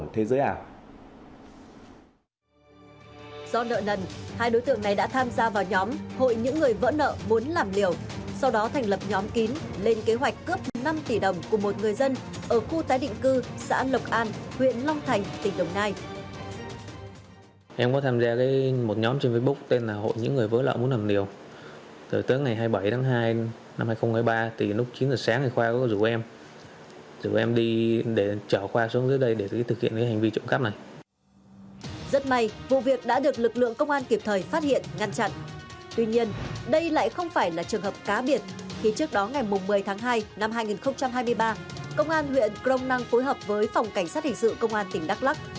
trước đó ngày một mươi tháng hai năm hai nghìn hai mươi ba công an huyện crong năng phối hợp với phòng cảnh sát hình sự công an tỉnh đắk lắc